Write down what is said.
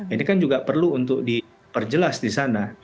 ini kan juga perlu untuk diperjelas di sana